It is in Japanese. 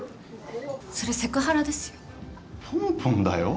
それセクハラですよ。